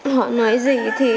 họ nói gì thì